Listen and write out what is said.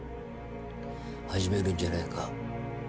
始めるんじゃないか？